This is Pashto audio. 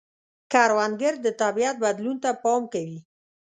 کروندګر د طبیعت بدلون ته پام کوي